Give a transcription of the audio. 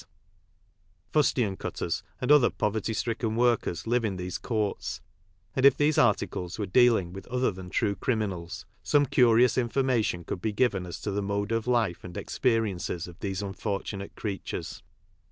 liv. f^li terS ' aud otber POTOrty stricken workers, live m these courts, and if these articles were dealing with o her than true criminals some curious informatmn could be given as to the mode of life and experiences of these unfortunate creatures.